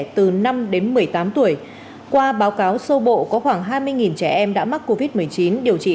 từ năm đến một mươi tám tuổi qua báo cáo sơ bộ có khoảng hai mươi trẻ em đã mắc covid một mươi chín điều trị